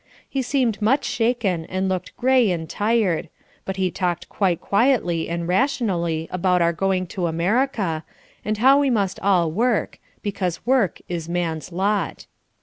He seemed much shaken and looked gray and tired, but he talked quite quietly and rationally about our going to America, and how we must all work, because work is man's lot.